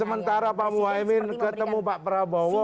sementara pak muhaymin ketemu pak prabowo